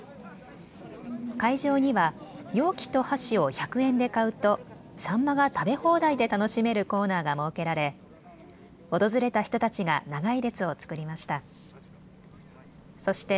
会場には容器と箸を１００円で買うとサンマが食べ放題で楽しめるコーナーが設けられ訪れた人たちが長い列を作りました。